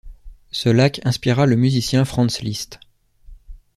Ce lac inspira le musicien Franz Liszt.